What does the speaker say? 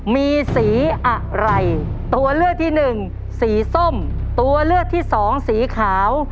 มีสีอะไรตัวเลือกที่หนึ่งสีส้มตัวเลือกที่สองสีขาว